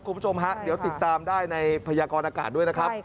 คุณผู้ชมฮะเดี๋ยวติดตามได้ในพยากรอากาศด้วยนะครับ